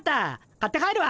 買って帰るわ。